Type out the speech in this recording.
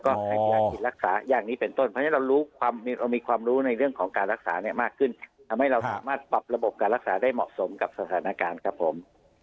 ทำให้เราสามารถปรับระบบรักษาได้เหมาะกับสถานการณ์ครับผม